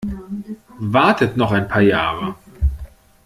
Wartet noch ein paar Jahre!